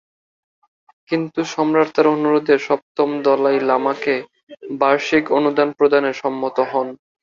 কিন্তু সম্রাট তার অনুরোধে সপ্তম দলাই লামাকে বার্ষিক অনুদান প্রদানে সম্মত হন।